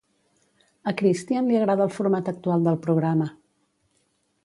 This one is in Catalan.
A Christian li agrada el format actual del programa.